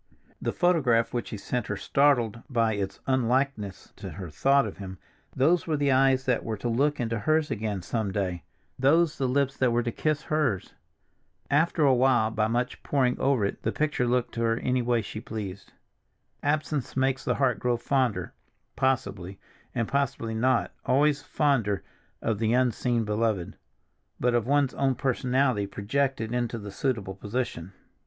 The photograph which he sent her startled by its unlikeness to her thought of him; those were the eyes that were to look into hers again some day, those the lips that were to kiss hers. After a while by much poring over it, the picture looked to her any way she pleased. "Absence makes the heart grow fonder"—possibly, and possibly not always fonder of the unseen beloved, but of one's own personality, projected into the suitable position.